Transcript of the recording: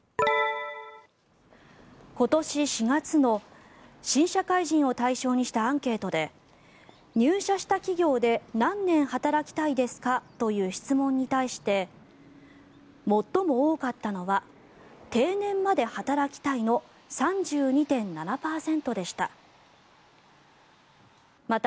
今年４月の新社会人を対象にしたアンケートで入社した企業で何年働きたいですかという質問に対して最も多かったのは定年まで働きたいの３２．７％でした。